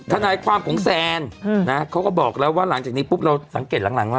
ทนายความของแซนเขาก็บอกแล้วว่าหลังจากนี้ปุ๊บเราสังเกตหลังว่า